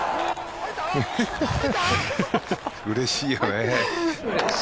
うれしいよね。